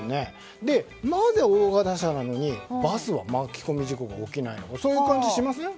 なぜ大型車なのにバスは巻き込み事故が起きないのかという感じしません？